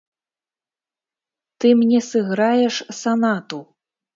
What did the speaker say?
Ты мне сыграеш санату.